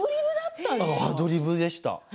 アドリブでした。